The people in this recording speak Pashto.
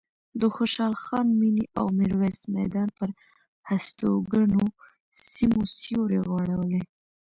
د خوشحال خان مېنې او میرویس میدان پر هستوګنو سیمو سیوری غوړولی.